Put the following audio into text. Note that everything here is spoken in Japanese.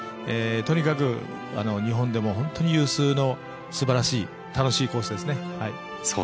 とにかく日本でも本当に有数の素晴らしい楽しいコースですね。